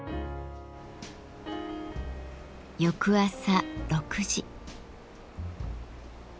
翌朝６時。